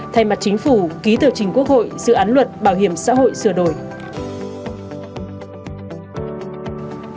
thay mặt chính phủ ký tờ trình quốc hội dự án luật bảo hiểm xã hội sửa đổi